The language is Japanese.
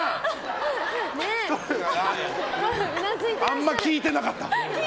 あんま聞いてなかった。